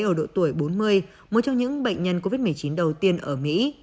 ở độ tuổi bốn mươi một trong những bệnh nhân covid một mươi chín đầu tiên ở mỹ